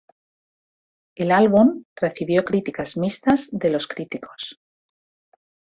El álbum recibió críticas mixtas de los críticos.